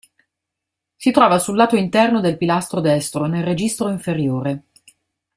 Si trova sul lato interno del pilastro destro, nel registro inferiore.